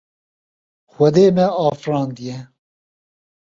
Xwedê me afirandiye.